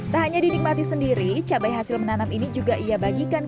tak hanya dinikmati sendiri cabai hasil menanam ini juga ia bagikan